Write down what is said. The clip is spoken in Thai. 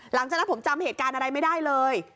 หลังจากนั้นผมจำเหตุการณ์อะไรไม่ได้เลย